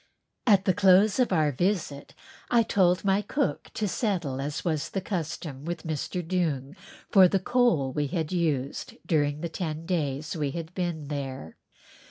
At the close of our visit I told my cook to settle as was the custom with Mr. Doong for the coal we had used during the ten days we had been there.